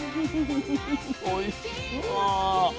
おいしそう。